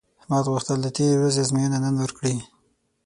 احمد غوښتل د تېرې ورځې ازموینه نن ورکړي